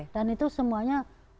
dan itu semuanya